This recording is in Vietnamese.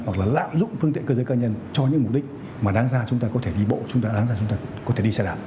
hoặc là lạm dụng phương tiện cơ giới cá nhân cho những mục đích